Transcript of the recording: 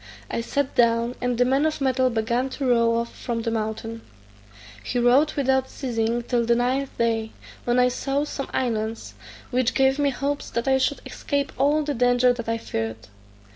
I sat down, and the man of metal began to row off from the mountain. He rowed without ceasing till the ninth day, when I saw some islands, which gave me hopes that I should escape all the danger that I feared.